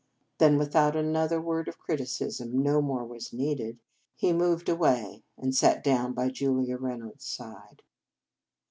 Then without another word of criticism no more was needed he moved away, and sat down by Julia Reynolds s side.